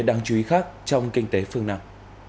đáng chú ý khác trong kinh tế phương nam